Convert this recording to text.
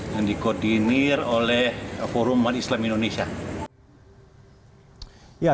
yang dikoordinir oleh forum umat islam indonesia